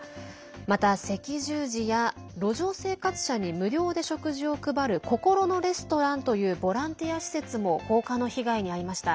また赤十字や路上生活者に無料で食事を配る心のレストランというボランティア施設も放火の被害に遭いました。